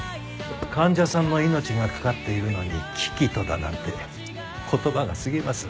患者さんの命が懸かっているのに「喜々と」だなんて言葉が過ぎます。